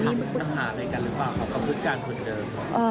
หาอะไรกันหรือเปล่าเขาก็คุ้นชาญคนเดิม